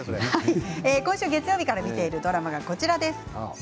今週月曜日から見ているドラマがこちらです。